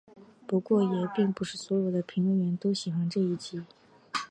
不过也并不是所有的评论员都喜欢这一集。